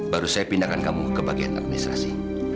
baru saya pindahkan kamu ke bagian administrasi